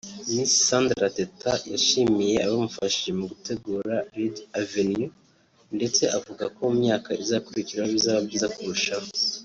Miss Sandra Teta yashimiye abamufashije mu gutegura ‘Red Avenue’ ndetse avuga ko mu myaka izakurikiraho bizaba byiza kurushaho